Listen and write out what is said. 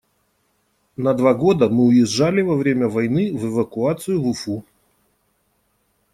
На два года мы уезжали во время войны в эвакуацию в Уфу.